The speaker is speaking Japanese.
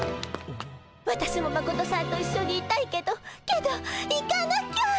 私もマコトさんと一緒にいたいけどけど行かなきゃっ！